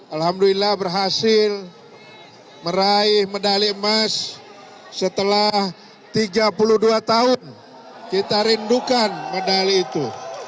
alhamdulillah berhasil meraih medali emas setelah tiga puluh dua tahun kita rindukan medali itu